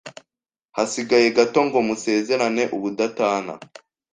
Hasigaye gato ngo musezerane ubudatana